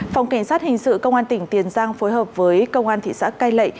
phòng cảnh sát hình sự công an tỉnh tiền giang phối hợp với công an thị xã cai lệ